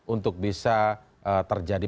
untuk bisa terjadi